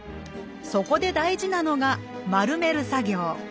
そこで大事なのが丸める作業。